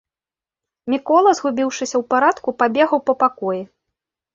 Мікола, згубіўшыся ў парадку, пабегаў па пакоі.